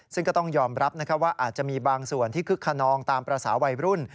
ซึ่งก็ต้องยอมรับว่าอาจจะมีบางส่วนที่คึกขนองตามภาษาวัยรุ่น